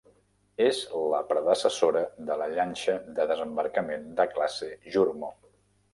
És la predecessora de la llanxa de desembarcament de classe Jurmo.